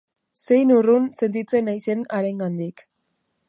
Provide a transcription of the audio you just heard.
Zein urrun sentitzen naizen harengandik!